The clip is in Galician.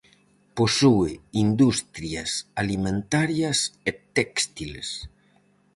Posúe industrias alimentarias e téxtiles.